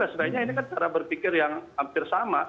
sebaiknya ini kan cara berpikir yang hampir sama